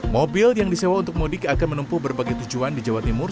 mobil yang disewa untuk mudik akan menempuh berbagai tujuan di jawa timur